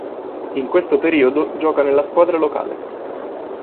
In questo periodo gioca nella squadra locale.